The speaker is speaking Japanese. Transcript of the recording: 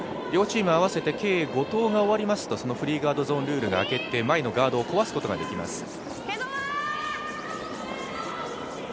両チーム合わせて５投が終わりますとフリーガードゾーンルールがあけて前のガードを壊すことができます。